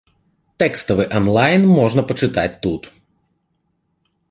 Тэкставы анлайн можна пачытаць тут.